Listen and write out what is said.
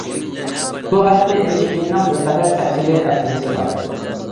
بۇ ھەقتە ئېينىشتىيىننىڭ بىر قەدەر تەپسىلىي ئەسلىمىسى بار.